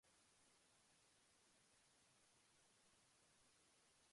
Shawty, remember those times when we used to vibe in the cold?